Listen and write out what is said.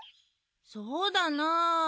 そうだなぁ。